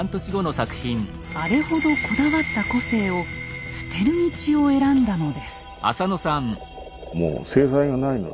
あれほどこだわった個性を捨てる道を選んだのです。